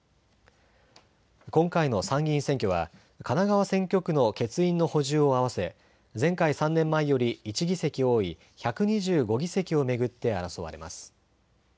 今回の参議院選挙は神奈川選挙区の欠員の補充を合わせ前回３年前より１議席多い１２５議席を巡って争われます。